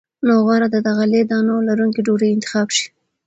نو غوره ده د غلې- دانو لرونکې ډوډۍ انتخاب شي.